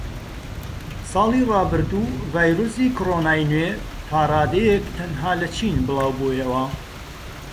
ساڵی ڕابردوو ڤایرۆسی کۆرۆنای نوێ تاڕادەیەک تەنها لە چین بڵاوبوویەوە